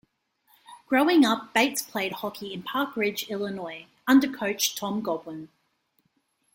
Growing up, Bates played hockey in Park Ridge, Illinois, under Coach Tom Godwin.